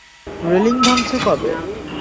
Railing ভাঙছে কবে?